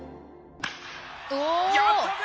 やったぜ！